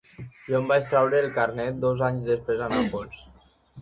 Jo em vaig traure el carnet dos anys després a Nàpols.